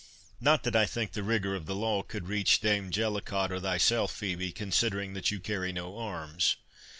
Not that I think the rigour of the law could reach Dame Jellicot or thyself, Phœbe, considering that you carry no arms.